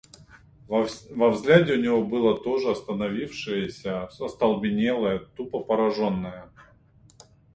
И во взгляде у него было то же остановившееся, остолбенелое, тупо пораженное.